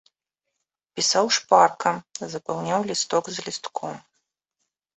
Пісаў шпарка, запаўняў лісток за лістком.